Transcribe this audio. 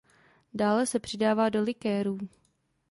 Dále se přidává do likérů.